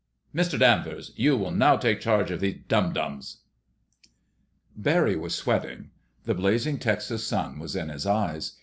Mister Danvers, you will now take charge of these dum dums." Barry was sweating. The blazing Texas sun was in his eyes.